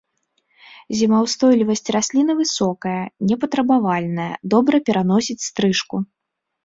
Зімаўстойлівасць расліны высокая, непатрабавальная, добра пераносіць стрыжку.